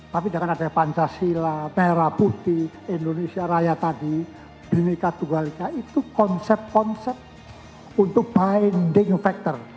tapi dengan ada pancasila merah putih indonesia raya tadi brinika tugalika itu konsep konsep untuk binding factor